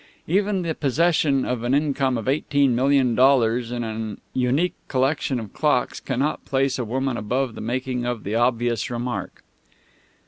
Even the possession of an income of eighteen million dollars and a unique collection of clocks cannot place a woman above the making of the obvious remark.